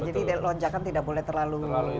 jadi lonjakan tidak boleh terlalu tinggi